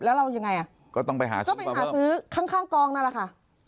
แล้วเรายังไงอ่ะก็ต้องไปหาซื้อก็ไปหาซื้อข้างกองนั่นแหละค่ะ